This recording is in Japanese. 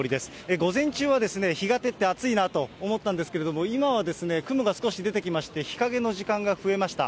午前中は日が照って暑いなと思ったんですけれども、今は雲が少し出てきまして、日陰の時間が増えました。